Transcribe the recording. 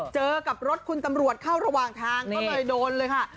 เจอกับรถคุณตำรวจเข้าระหว่างทางก็เลยโดนเลยค่ะ